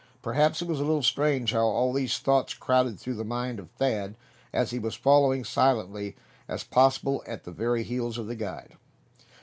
Perhaps it was a little strange how all these thoughts crowded through the mind of Thad, as he was following silently as possible at the very heels of the guide.